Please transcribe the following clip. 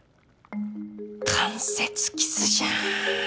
間接キスじゃん！